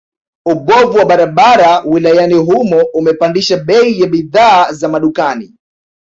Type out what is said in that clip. Ubovu wa barabara wilayani humo umepandisha bei ya bidhaa za madukani